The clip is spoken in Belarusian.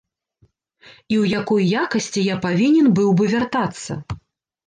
І ў якой якасці я павінен быў бы вяртацца?